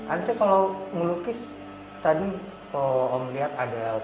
andre kalau melukis tadi kalau om lihat ada kayak orang